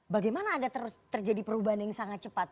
bagaimana ada terjadi perubahan yang sangat cepat